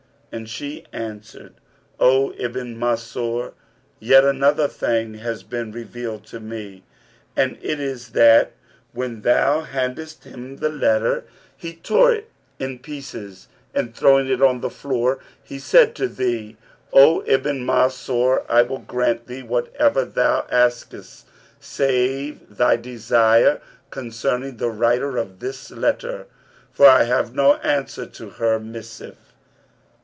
and she answered, 'O Ibn Mansur, yet another thing hath been revealed to me;[FN#339] and it is that, when thou handedst him the letter, he tore it in pieces. and throwing it on the floor, said to thee: 'O Ibn Mansur, I will grant thee whatever thou askest save thy desire which concerneth the writer of this letter; for I have no answer to her missive.'